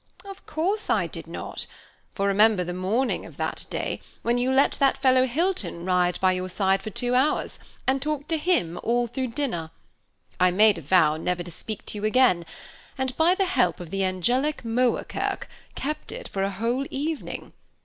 "Of course I did not, for remember the morning of that day, when you let that fellow Hilton ride by your side for two hours, and talked to him all through dinner. I made a vow never to speak to you again, and, by the help of the angelic Moerkerke, kept it for a whole evening.